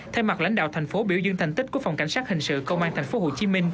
thay mặt lãnh đạo thành phố biểu dương thành tích của phòng cảnh sát hình sự công an tp hcm